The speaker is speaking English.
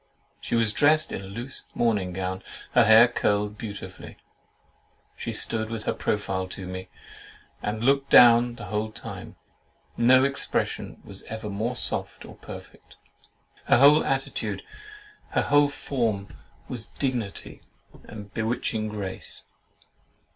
she was dressed in a loose morning gown, her hair curled beautifully; she stood with her profile to me, and looked down the whole time. No expression was ever more soft or perfect. Her whole attitude, her whole form, was dignity and bewitching grace.